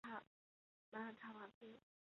马尔坦瓦斯。